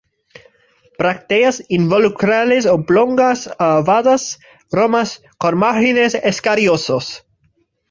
Brácteas involucrales oblongas a ovadas, romas, con márgenes escariosos.